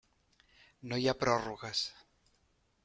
No hi ha pròrrogues.